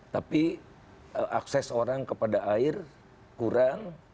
tapi akses orang kepada air kurang